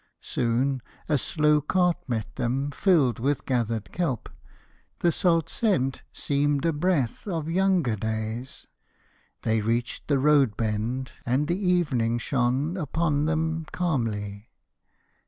Soon A slow cart met them, filled with gathered kelp: The salt scent seemed a breath of younger days. They reached the road bend, and the evening shone Upon them, calmly.